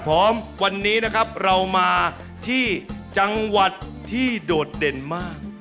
พร้อมวันนี้นะครับเรามาที่จังหวัดที่โดดเด่นมาก